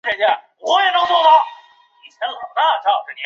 每个少女被赋与特别的宠物。